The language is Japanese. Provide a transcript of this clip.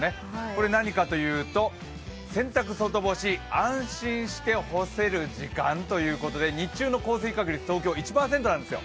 これは何かというと、洗濯外干し安心して干せる時間ということで日中の降水確率東京１％なんです。